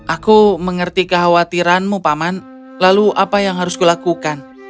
aku mengerti kekhawatiranmu paman lalu apa yang harus kulakukan